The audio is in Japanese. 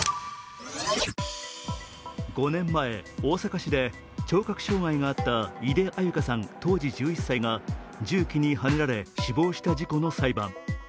５年前、大阪市で聴覚障害があった井出安優香さん当時１１歳が重機にはねられ死亡した事故の裁判。